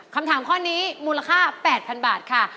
คำถามข้อนี้มูลค่า๘๐๐๐บาทค่ะ